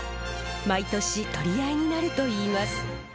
毎年取り合いになるといいます。